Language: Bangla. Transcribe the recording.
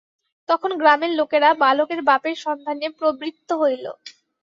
তখন গ্রামের লোকেরা বালকের বাপের সন্ধানে প্রবৃত্ত হইল।